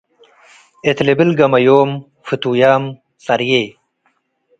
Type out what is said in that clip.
እት ልብል ገመዮም፤ “ፍቱያም ጸርዬ።